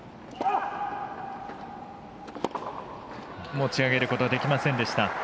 持ち上げることできませんでした。